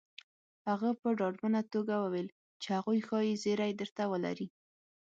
هغه په ډاډمنه توګه وويل چې هغوی ښايي زيری درته ولري